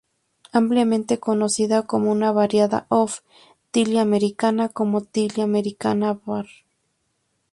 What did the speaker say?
Ampliamente conocida como una variedad of "Tilia americana", como "Tilia americana" var.